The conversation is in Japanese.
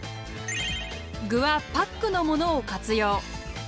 具はパックのものを活用。